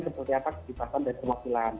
seperti apa kegiatan dari pemakilan